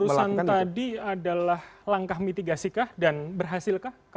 tapi pelurusan tadi adalah langkah mitigasikah dan berhasilkah